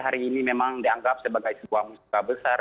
hari ini memang dianggap sebagai sebuah musuh besar